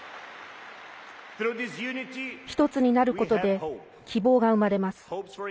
１つになることで希望が生まれます。